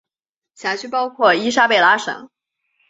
辖区包括伊莎贝拉省。